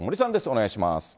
お願いします。